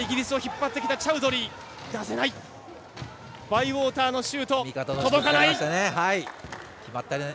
バイウォーターのシュート届かない。